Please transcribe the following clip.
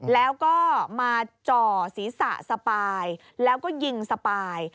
แล้วก็มาจ่อศีรษะสปายแล้วก็ยิงสปาย